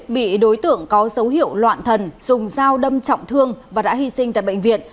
bị đối tượng có dấu hiệu loạn thần dùng dao đâm trọng thương và đã hy sinh tại bệnh viện